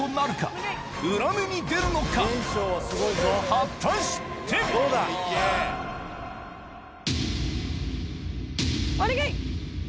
果たして⁉お願い！